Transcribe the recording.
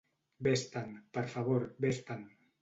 Vés-te'n, per favor, vés-te'n.